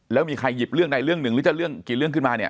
แล้วมีใครหยิบเรื่องใดเรื่องหนึ่งหรือจะเรื่องกี่เรื่องขึ้นมาเนี่ย